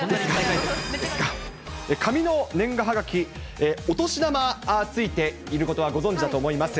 紙の年賀はがき、お年玉がついていることはご存じだと思います。